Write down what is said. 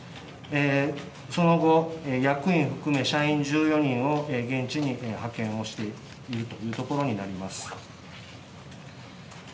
その後、役員含め社員１４人を現地に派遣をしているというところになります。